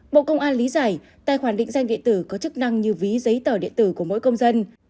bộ công an lý giải tài khoản định danh điện tử có chức năng như ví giấy tờ điện tử của mỗi công dân